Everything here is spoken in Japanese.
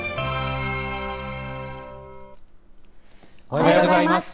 おはようございます。